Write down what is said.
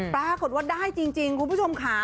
ปรากฏว่าได้จริงคุณผู้ชมค่ะ